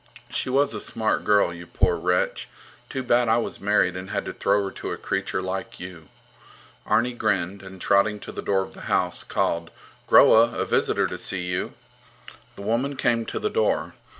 She was a smart girl, you poor wretch. Too bad I was married and had to throw her to a creature like you. Arni grinned and, trotting to the door of the house, called: Groa, a visitor to see you. The woman came to the door.